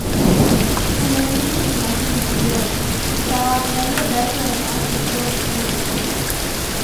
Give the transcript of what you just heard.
kwenye muziki jumaa hii leo tutawaangalia baadhi ya wanawake ambao wamefanya vizuri